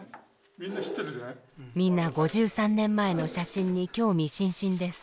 みんな５３年前の写真に興味津々です。